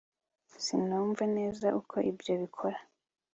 Sinumva neza uko ibyo bikora